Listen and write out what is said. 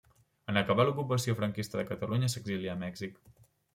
En acabar l'ocupació franquista de Catalunya s'exilià a Mèxic.